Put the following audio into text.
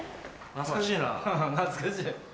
懐かしい。